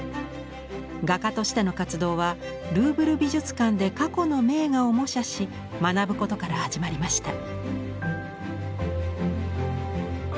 画家としての活動はルーブル美術館で過去の名画を模写し学ぶことから始まりました。